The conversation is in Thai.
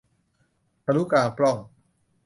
ทะลุกลางปล้อง